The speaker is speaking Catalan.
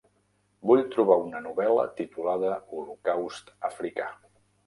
Vull trobar una novel·la titulada Holocaust africà